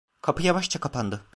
Kapı yavaşça kapandı.